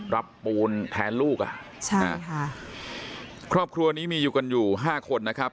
ปูนแทนลูกอ่ะใช่ค่ะครอบครัวนี้มีอยู่กันอยู่ห้าคนนะครับ